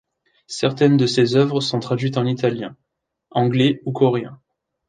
Certaines de ses œuvres sont traduites en italien, anglais ou coréen.